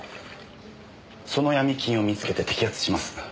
そのヤミ金を見つけて摘発します。